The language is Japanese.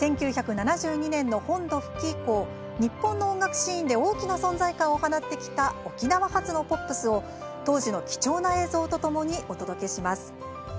１９７２年の本土復帰以降日本の音楽シーンで大きな存在感を放ってきた沖縄発のポップスを当時の貴重な映像とともにお届けします。